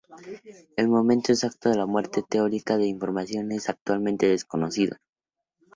El momento exacto de la Muerte teórica de información es actualmente desconocido.